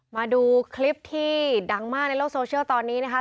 มาดูคลิปที่ดังมากในโลกโซเชียลตอนนี้นะคะ